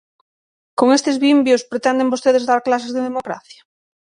¿Con estes vimbios pretenden vostedes dar clases de democracia?